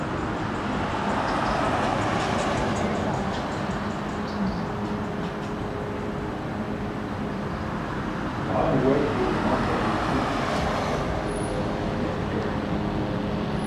Bonwick was one of the speakers.